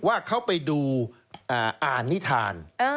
ว่าเขาไปดูอ่านนิษฐาน